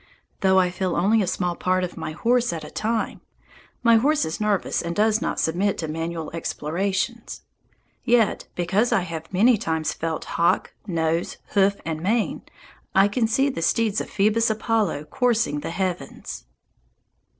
Though I feel only a small part of my horse at a time, my horse is nervous and does not submit to manual explorations, yet, because I have many times felt hock, nose, hoof and mane, I can see the steeds of Phoebus Apollo coursing the heavens.